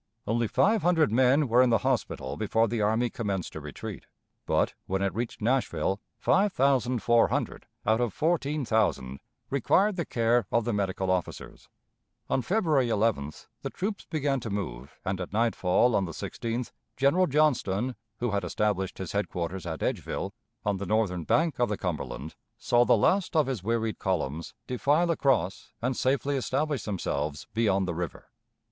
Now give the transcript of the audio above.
Only five hundred men were in the hospital before the army commenced to retreat, but, when it reached Nashville, five thousand four hundred out of fourteen thousand required the care of the medical officers. On February 11th the troops began to move, and at nightfall on the 16th General Johnston, who had established his headquarters at Edgeville, on the northern bank of the Cumberland, saw the last of his wearied columns defile across and safely establish themselves beyond the river.